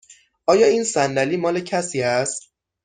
آیا این صندلی مال کسی است؟